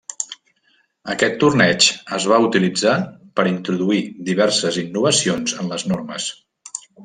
Aquest torneig es va utilitzar per introduir diverses innovacions en les normes.